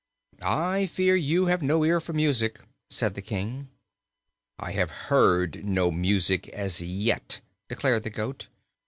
"I fear you have no ear for music," said the King. "I have heard no music, as yet," declared the goat.